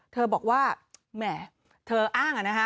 เธอบอกว่าแหมเธออ้างอะนะคะ